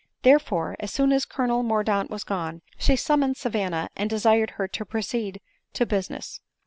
Therefore, as soon as Colonel Mordaunt was gone, she summoned Savanna and desired her to proceed to buisness.